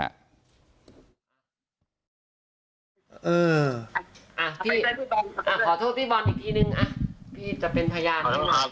พี่ขอโทษพี่บอลอีกทีนึงอ่ะพี่จะเป็นพยาน